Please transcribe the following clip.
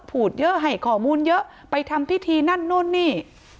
พูดเยอะให้ข้อมูลเยอะไปทำพิธีนั่นนู่นนี่